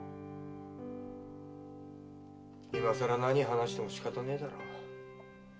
今さらなに話しても仕方ねえだろうが。